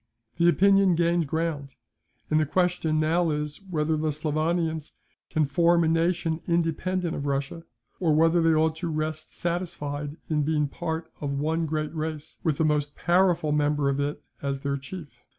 "The opinion gained ground; and the question now is, whether the Slavonians can form a nation independent of Russia; or whether they ought to rest satisfied in being part of one great race, with the most powerful member of it as their chief.